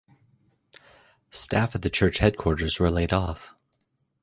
Staff at the church headquarters were laid off.